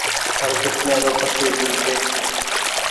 هر ڪسمي رو پکي ڀي ڇي